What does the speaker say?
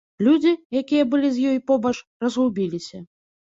Людзі, якія былі з ёй побач, разгубіліся.